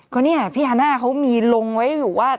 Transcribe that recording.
ก็เนี่ยพี่ฮาน่าเขามีลงไว้อยู่ว่า